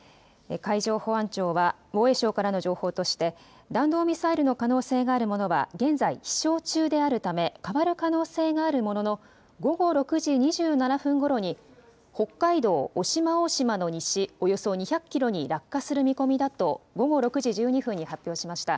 海上保安庁は防衛省からの情報として弾道ミサイルの可能性のあるものは現在飛しょう中であるため変わる可能性があるものの午後６時２７分ごろに北海道渡島大島の西およそ２００キロに落下する見込みだと午後６時１２分に発表しました。